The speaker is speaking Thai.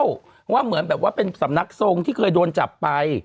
เพราะว่าเหมือนแบบว่าเป็นสำนักทรงที่เคยโดนจับไป